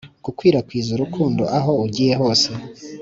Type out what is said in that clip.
gukwirakwiza urukundo aho ugiye hose.